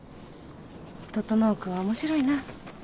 整君は面白いな。